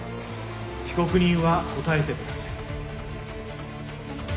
被告人は答えてください。